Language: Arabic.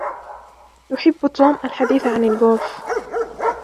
يحب توم الحديث عن الجولف.